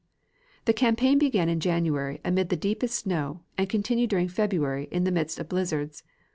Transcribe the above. The campaign began in January amid the deepest snow, and continued during February in the midst of blizzards.